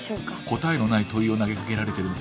答えのない問いを投げかけられてるのか？